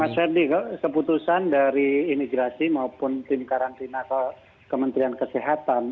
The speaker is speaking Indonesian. mas ferdi keputusan dari imigrasi maupun tim karantina ke kementerian kesehatan